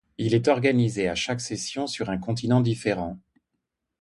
Il est organisé à chaque session sur un continent différent.